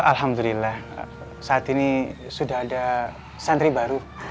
alhamdulillah saat ini sudah ada santri baru